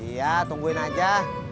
iya tungguin aja